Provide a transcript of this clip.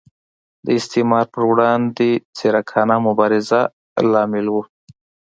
د استعمار پر وړاندې ځیرکانه مبارزه لامل و.